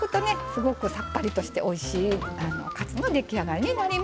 すごくさっぱりとしておいしいカツの出来上がりになります。